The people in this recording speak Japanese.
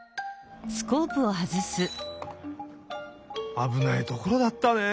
あぶないところだったね。